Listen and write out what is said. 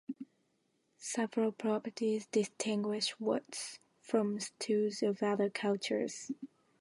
Several properties distinguish wats from stews of other cultures.